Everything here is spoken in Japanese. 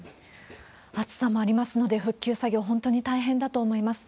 暑さもありますので、復旧作業、本当に大変だと思います。